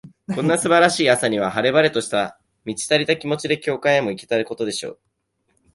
こんな素晴らしい朝には、晴れ晴れとした、満ち足りた気持ちで、教会へも行けたことでしょう。